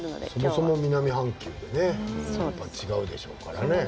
そもそも南半球だから違うでしょうね。